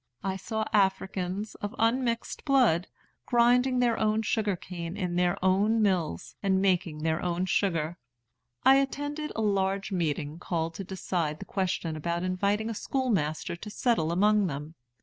I saw Africans, of unmixed blood, grinding their own sugar cane in their own mills, and making their own sugar. "I attended a large meeting called to decide the question about inviting a schoolmaster to settle among them.